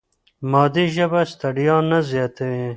مادي ژبه ستړیا نه زیاتوي.